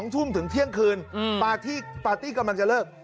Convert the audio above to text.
๒ทุ่มถึงเที่ยงคืนปาร์ตี้ปาร์ตี้กำลังจะเลิก